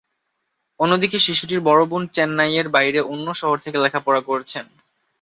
অন্যদিকে শিশুটির বড় বোন চেন্নাইয়ের বাইরে অন্য শহরে থেকে লেখাপড়া করছেন।